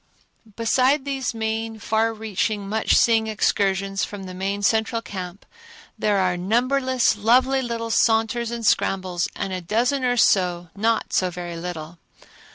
Besides these main, far reaching, much seeing excursions from the main central camp, there are numberless, lovely little saunters and scrambles and a dozen or so not so very little.